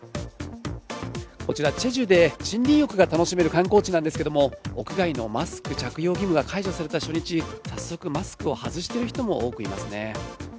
こちら、済州で森林浴が楽しめる観光地なんですけれども、屋外のマスク着用義務が解除された初日、早速マスクを外してる人も多くいますね。